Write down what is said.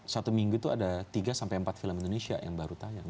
satu minggu itu ada tiga sampai empat film indonesia yang baru tayang